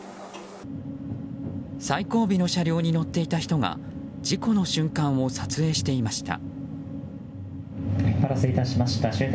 最後尾の車両に乗っていた人が事故の瞬間を撮影していました。